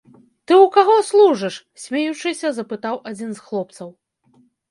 Ты ў каго служыш?— смеючыся, запытаў адзін з хлопцаў.